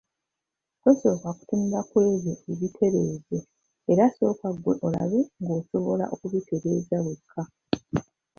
Tosooka kutunula ku ebyo ebitereeze era sooka ggwe olabe ng’osobola okubitereeza wekka.